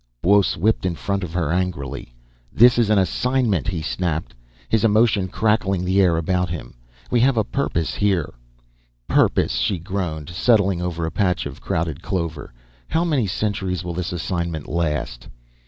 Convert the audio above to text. Buos whipped in front of her angrily. "This is an assignment," he snapped, his emotion crackling the air about him. "We have a purpose here." "Purpose!" she groaned, settling over a patch of crowded clover. "How many centuries will this assignment last?"